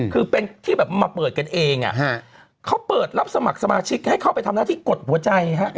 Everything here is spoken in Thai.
คือเป็นที่แบบมาเปิดกันเองเขาเปิดรับสมัครสมาชิกให้เข้าไปทำหน้าที่กดหัวใจฮะ